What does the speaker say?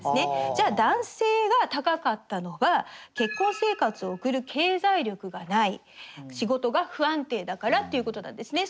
じゃあ男性が高かったのは結婚生活を送る経済力がない仕事が不安定だからということなんですね。